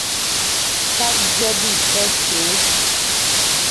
Ták dyə́ bî thə́sə ə.